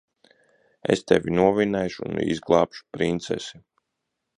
Es tevi novinnēšu un izglābšu princesi.